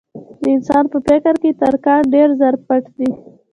د انسان په فکر کې تر کان ډېر زر پټ دي.